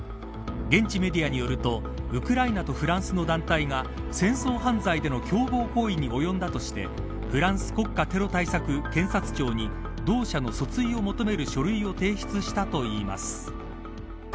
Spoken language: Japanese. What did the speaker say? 現地メディアによるとウクライナとフランスの団体が戦争犯罪での共謀行為に及んだとしてフランス国家テロ対策検察庁に同社の訴追を求める書類を提出したといいます。